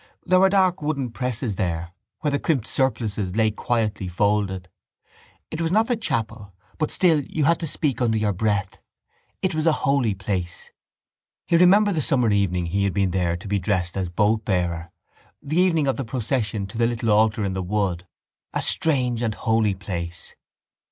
There were dark wooden presses there where the crimped surplices lay quietly folded. It was not the chapel but still you had to speak under your breath. It was a holy place. He remembered the summer evening he had been there to be dressed as boatbearer, the evening of the procession to the little altar in the wood. A strange and holy place.